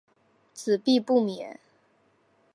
子必不免。